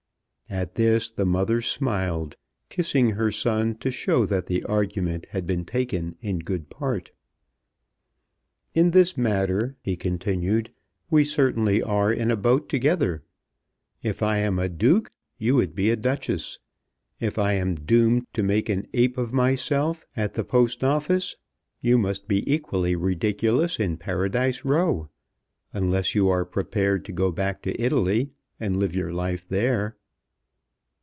At this the mother smiled, kissing her son to show that the argument had been taken in good part. "In this matter," he continued, "we certainly are in a boat together. If I am a Duke you would be a Duchess. If I am doomed to make an ape of myself at the Post Office, you must be equally ridiculous in Paradise Row, unless you are prepared to go back to Italy and live your life there."